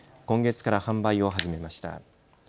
今月から販売を始めました。